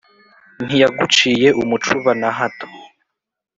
ntiyaguciye umucuba na hato